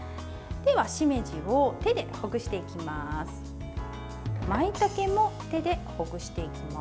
しめじを手でほぐしていきます。